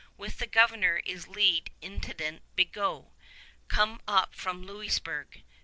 With the Governor is leagued Intendant Bigot, come up from Louisburg.